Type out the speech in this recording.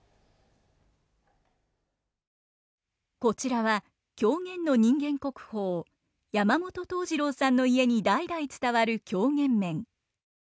こちらは狂言の人間国宝山本東次郎さんの家に代々伝わる狂言面。